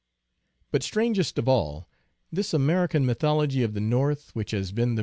But strangest of all, this American mythology of the North, which has been the 6 INTRODUCTION.